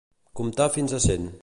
Comptar fins a cent.